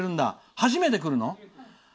初めて来るの？